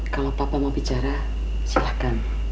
kalau bapak mau bicara silakan